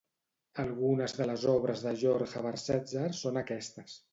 Algunes de les obres de Jörg Habersetzer són aquestes.